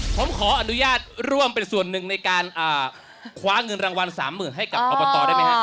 ผมขออนุญาตร่วมเป็นส่วนหนึ่งในการคว้าเงินรางวัล๓๐๐๐ให้กับอบตได้ไหมครับ